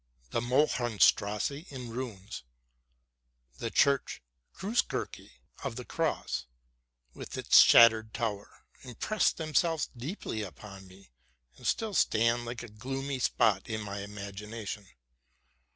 The Mohrenstrasse in ruins, and the Church (Areuzkirche) of the Cross, with its shattered tower, impressed themselves deeply upon me, and still stand like a gloomy spot in my imagination.